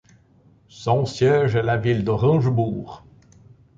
Son siège est la ville d'Orangeburg.